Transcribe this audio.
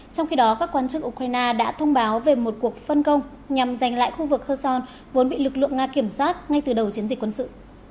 trong khi đó các quan chức ukraine đã thông báo về một cuộc phân công nhằm giành lại khu vực kheon vốn bị lực lượng nga kiểm soát ngay từ đầu chiến dịch quân sự